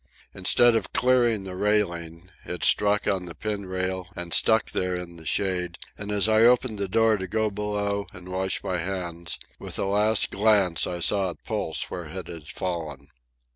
Instead of clearing the railing, it struck on the pin rail and stuck there in the shade, and as I opened the door to go below and wash my hands, with a last glance I saw it pulse where it had fallen.